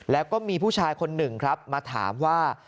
แล้วก็มีผู้ชายคนหนึ่งครับมาถามว่า